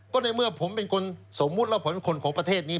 ก็ในเมื่อผมเป็นคนสมมุติแล้วผลคนของประเทศนี้